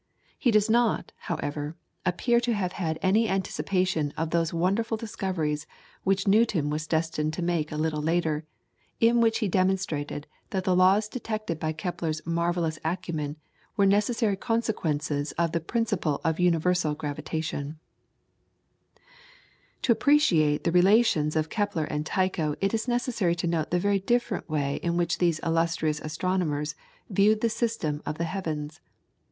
He does not, however, appear to have had any anticipation of those wonderful discoveries which Newton was destined to make a little later, in which he demonstrated that the laws detected by Kepler's marvellous acumen were necessary consequences of the principle of universal gravitation. [PLATE: SYMBOLICAL REPRESENTATION OF THE PLANETARY SYSTEM.] To appreciate the relations of Kepler and Tycho it is necessary to note the very different way in which these illustrious astronomers viewed the system of the heavens.